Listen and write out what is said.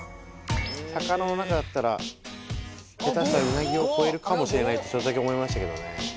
魚の中だったら下手したらうなぎを超えるかもしれないってちょっとだけ思いましたけどね。